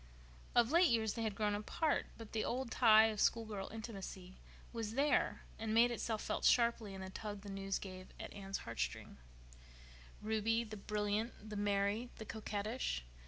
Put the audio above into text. Of late years they had grown apart; but the old tie of school girl intimacy was there, and made itself felt sharply in the tug the news gave at Anne's heartstrings. Ruby, the brilliant, the merry, the coquettish!